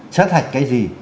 sát hạch cái gì